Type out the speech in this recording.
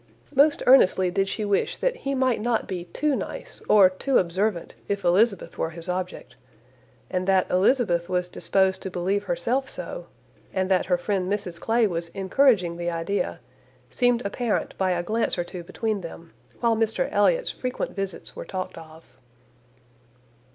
Most earnestly did she wish that he might not be too nice, or too observant if Elizabeth were his object; and that Elizabeth was disposed to believe herself so, and that her friend Mrs Clay was encouraging the idea, seemed apparent by a glance or two between them, while Mr Elliot's frequent visits were talked of.